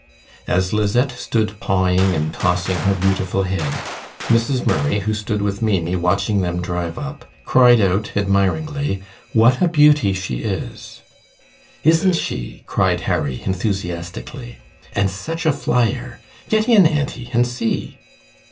As Lisette stood pawing and tossing her beautiful head, Mrs. Murray, who stood with Maimie watching them drive up, cried out, admiringly: "What a beauty she is!" "Isn't she!" cried Harry, enthusiastically. "And such a flyer! Get in, auntie, and see."